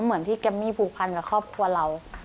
เหมือนที่แกมมี่ผูกพันกับครอบครัวเรา